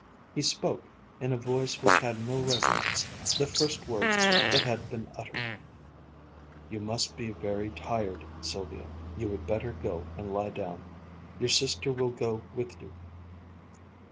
He spoke, in a voice which had no resonance, the first words that had been uttered: "You must be very tired, Sylvia. You would better go and lie down. Your sister will go with you."